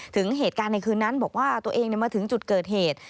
ถึงเหตุการณ์ในคืนนั้นบอกว่าตัวเองมาถึงจุดเกิดเหตุ